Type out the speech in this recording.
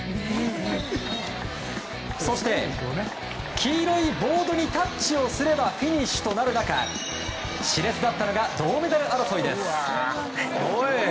そして、黄色いボードにタッチをすればフィニッシュとなる中熾烈だったのが銅メダル争いです。